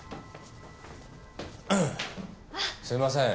すいません。